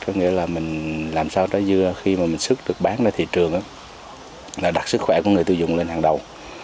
có nghĩa là mình làm sao trái dưa khi mà mình xuất được bán ra thị trường là đặt sức khỏe của người tiêu dùng lên hàng đầu